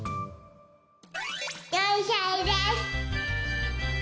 ４さいです！